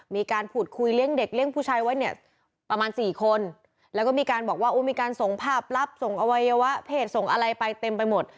มีการพูดคุยเลี้ยงเด็กเลี้ยงผู้ชายไว้เนี่ยประมาณสี่คนแล้วก็มีการบอกว่ามีการส่งภาพลับส่งอวัยวะเพศส่งอะไรไปเต็มไปหมด